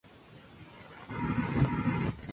De esta forma se detuvo la primera oleada del ataque.